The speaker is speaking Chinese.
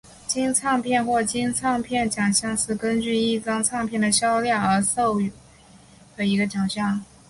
金唱片或金唱片奖项是根据一张唱片的销量而颁授的一个奖项。